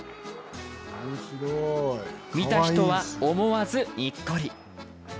見た人は思わず、にっこり。